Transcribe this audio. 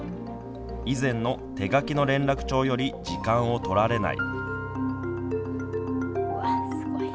以前の手書きの連絡帳より時間を取られない。